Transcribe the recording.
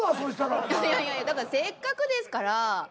いやいやだからせっかくですから。